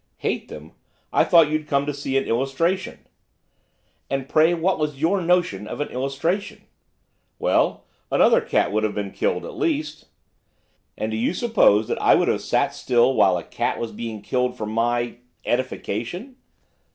'Hate them? I thought you'd come to see an illustration.' 'And pray what was your notion of an illustration?' 'Well, another cat would have had to be killed, at least.' 'And do you suppose that I would have sat still while a cat was being killed for my edification?